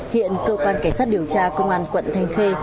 hiện cơ quan cảnh sát điều tra công an quận thanh khê